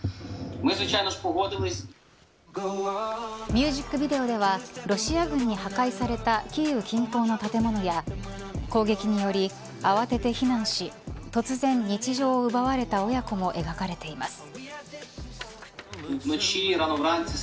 ミュージックビデオではロシア軍に破壊されたキーウ近郊の建物や攻撃により、慌てて避難し突然、日常を奪われた親子も描かれています。